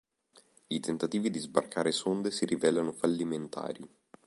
I tentativi di sbarcare sonde si rivelano fallimentari.